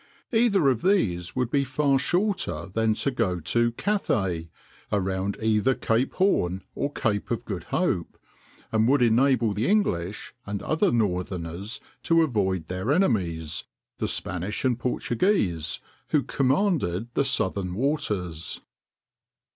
Either of these would be far shorter than to go to "Cathay" around either Cape Horn or Cape of Good Hope, and would enable the English and other northerners to avoid their enemies, the Spanish and Portuguese, who commanded the southern waters.